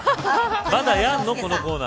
またやるの、このコーナ。